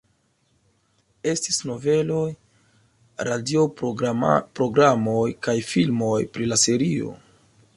Estis noveloj, radio programoj kaj filmoj pri la serio.